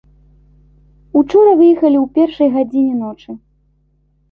Учора выехалі ў першай гадзіне ночы.